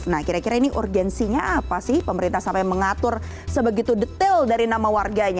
nah kira kira ini urgensinya apa sih pemerintah sampai mengatur sebegitu detail dari nama warganya